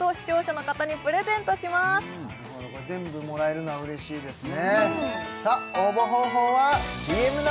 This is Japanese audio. なるほどこれ全部もらえるのはうれしいですね